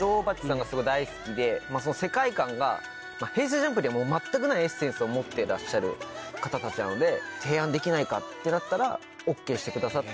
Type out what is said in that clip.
ＪＵＭＰには全くないエッセンスを持ってらっしゃる方たちなので提案できないかってなったらＯＫしてくださって。